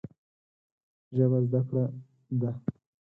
ژبه زده کړه ده